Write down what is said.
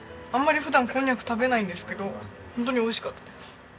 あんまり普段こんにゃく食べないんですけどホントに美味しかったです。